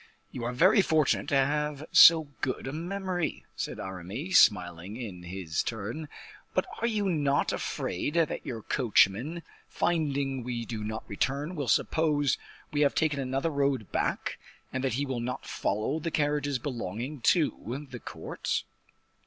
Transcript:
"You are very fortunate to have so good a memory," said Aramis, smiling in his turn, "but are you not afraid that your coachman, finding we do not return, will suppose we have taken another road back, and that he will not follow the carriages belonging to the court?"